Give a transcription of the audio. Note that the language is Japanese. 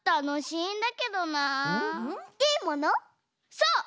そう！